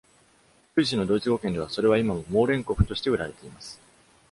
スイスのドイツ語圏では、それは今も「Mohrenkopf (モーレンコフ)」として売られています。